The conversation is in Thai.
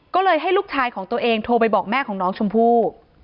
ก็เลยให้ลูกชายของตัวเองโทรไปบอกแม่ของน้องชมพู่